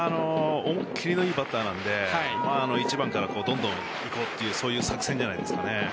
思い切りのいいバッターなので１番からどんどんいこうという作戦じゃないですかね。